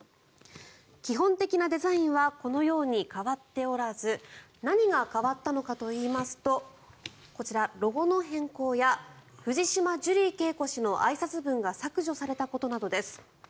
基本的なデザインはこのように変わっておらず何が変わったのかといいますとこちら、ロゴの変更や藤島ジュリー景子氏のあいさつ文が削除されたことなどです。